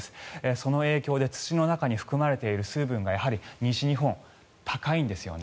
その影響で土の中に含まれている水分が西日本、高いんですよね。